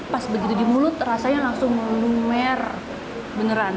pas begitu di mulut rasanya langsung lumer beneran